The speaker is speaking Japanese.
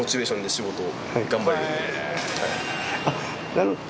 なるほど。